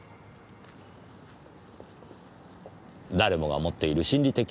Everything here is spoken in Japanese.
誰もが持っている心理的傾向です。